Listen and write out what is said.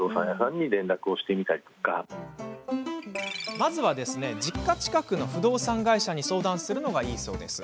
まずは、実家近くの不動産会社に相談するのがいいそうです。